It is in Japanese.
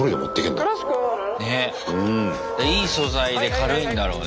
だからいい素材で軽いんだろうね。